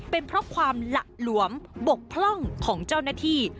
เป็นเพราะความหละหลวมบกพร่องของเจ้าหน้าที่